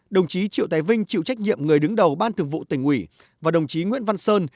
đồng chí triệu tài vinh chịu trách nhiệm người đứng đầu ban thường vụ tỉnh ủy và đồng chí nguyễn văn sơn